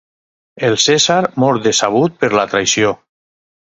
El Cèsar mor decebut per la traïció.